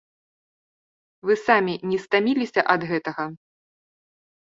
Вы самі не стаміліся ад гэтага?